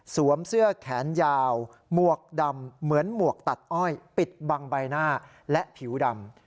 เสื้อแขนยาวหมวกดำเหมือนหมวกตัดอ้อยปิดบังใบหน้าและผิวดำ